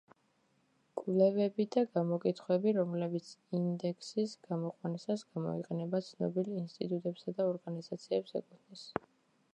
კვლევები და გამოკითხვები, რომლებიც ინდექსის გამოყვანისას გამოიყენება ცნობილ ინსტიტუტებსა და ორგანიზაციებს ეკუთვნის.